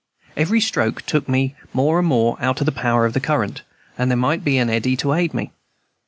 Every stroke took me more and more out of the power of the current, and there might even be an eddy to aid me.